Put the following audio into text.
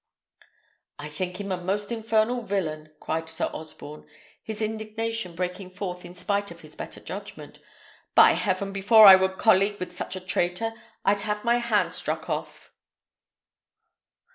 "I think him a most infernal villain!" cried Sir Osborne, his indignation breaking forth in spite of his better judgment. "By heaven! before I would colleague with such a traitor, I'd have my hand struck off."